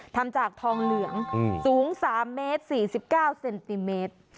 ทำจากทองเหลืองสูง๓เมตร๔๙เซนติเมตร